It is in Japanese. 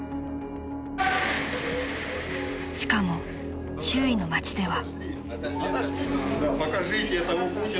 ［しかも周囲の町では］